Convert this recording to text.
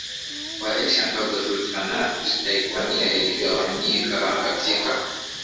wa Asia Ndogo Sultanate ya Ikonia iligawanyika katika